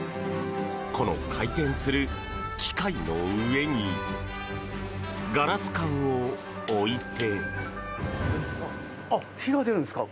この回転する機械の上にガラス管を置いて。